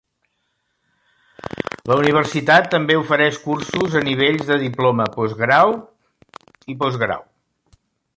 La universitat també ofereix cursos a nivells de Diploma, Postgrau i Postgrau.